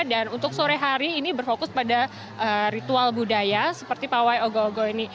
dan untuk sore hari ini berfokus pada ritual budaya seperti pawai ogo ogo ini